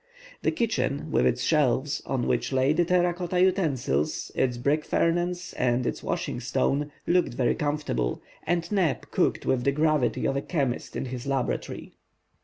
The kitchen, with its shelves, on which lay the terra cotta utensils, its brick furnace, and its washing stone, looked very comfortable, and Neb cooked with the gravity of a chemist in his laboratory.